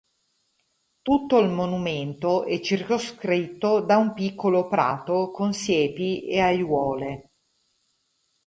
Tutto il monumento è circoscritto da un piccolo prato con siepi e aiuole.